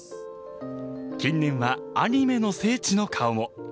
近年はアニメの聖地の顔も。